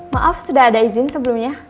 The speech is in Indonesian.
maaf sudah ada izin sebelumnya